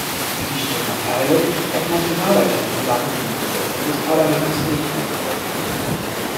Die Stimmanteile auf nationaler Ebene waren für die Besetzung des Parlaments nicht von Bedeutung.